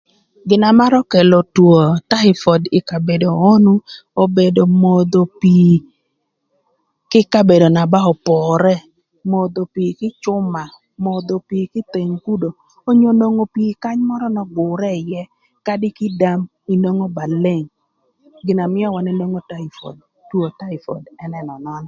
Gina marö kelo two taïpod ï kabedo onu obedo modho pii kï ï kabedo na ba opore, modho pii kï ï cuma, modho pii kï ï theng gudo, onyo nwongo pii kany mörö n'ögürë ïë kadi kï ï dam inwongo ba leng, gina mïö wan enwogo taïpod two taïpod ën ënönön